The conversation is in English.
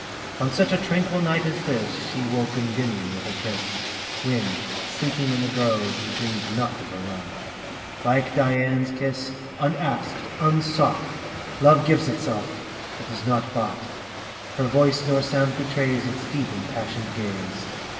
On such a tranquil night as this, io She woke Kndymion with a kis^, When, sleeping in tin grove, He dreamed not of her love. Like Dian's kiss, unasked, unsought, Love gives itself, but is not bought ; 15 Nor voice, nor sound betrays Its deep, impassioned ga/e.